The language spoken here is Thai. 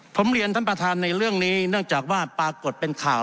ผมเรียนท่านประธานในเรื่องนี้เนื่องจากว่าปรากฏเป็นข่าว